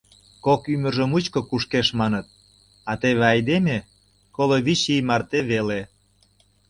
«Кож ӱмыржӧ мучко кушкеш маныт, а теве айдеме — коло вич ий марте веле.